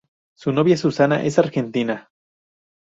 Su novia Susana es argentina.